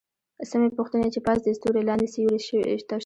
څه مې پوښتې چې پاس دې ستوری لاندې سیوری څه شو؟